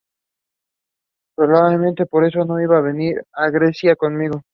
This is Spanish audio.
Probablemente por eso no iba a venir a Grecia conmigo.